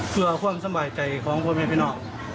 เพื่อความสบายใจของพ่อแม่พี่น้อง